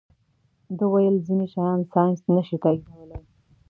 ده ویل ځینې شیان ساینس نه شي تائیدولی.